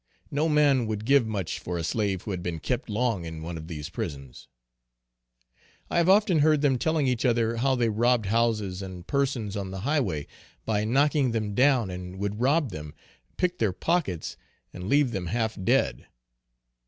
No man would give much for a slave who had been kept long in one of these prisons. I have often heard them telling each other how they robbed houses, and persons on the high way, by knocking them down, and would rob them, pick their pockets, and leave them half dead.